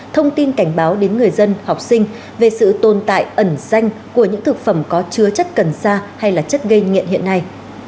thông tin cảnh báo đến người dân học sinh về sự tồn tại ẩn danh của những thực phẩm có chứa chất cần sa hay là chất gây nghiện hiện nay